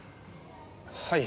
はい。